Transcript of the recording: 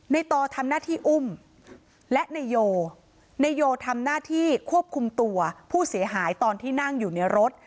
ต่อทำหน้าที่อุ้มและนายโยนายโยทำหน้าที่ควบคุมตัวผู้เสียหายตอนที่นั่งอยู่ในรถ